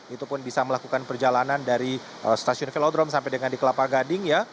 itu pun bisa melakukan perjalanan dari stasiun velodrome sampai dengan di kelapa gading ya